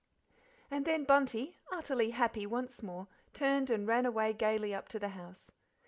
And then Bunty, utterly happy once more, turned and ran away gaily up to the house.